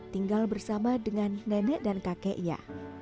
tinggal bersama dengan nenek dan kakeknya